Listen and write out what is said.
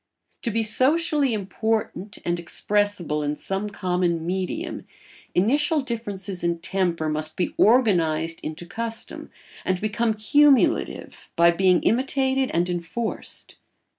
To be socially important and expressible in some common medium, initial differences in temper must be organised into custom and become cumulative by being imitated and enforced.